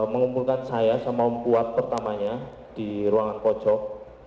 mengumpulkan saya sama membuat pertamanya di ruangan pojok